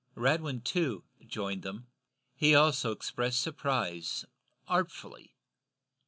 Radwin, too, joined them. He also expressed surprise, artfully.